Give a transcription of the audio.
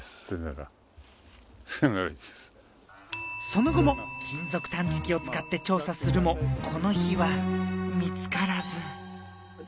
その後も金属探知機を使って調査するもこの日は見つからずはい